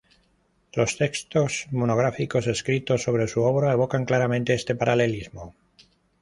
Los textos monográficos escritos sobre su obra evocan claramente este paralelismo.